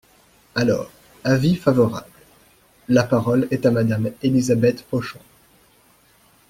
Alors, avis favorable… La parole est à Madame Elisabeth Pochon.